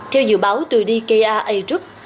theo dự báo từ dka arup